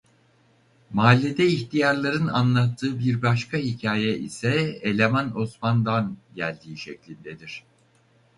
Mahallede ihtiyarların anlattığı bir başka hikâye ise Eleman Osman'dan geldiği şeklindedir.